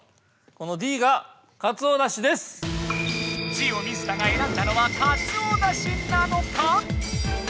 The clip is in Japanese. ジオ水田がえらんだのはかつおだしなのか？